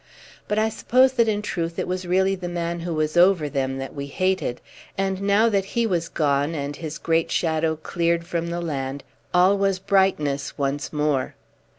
But I suppose that in truth it was really the man who was over them that we hated, and now that he was gone and his great shadow cleared from the land, all was brightness once more.